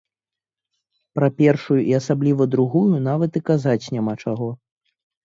Пра першую і асабліва другую нават і казаць няма чаго.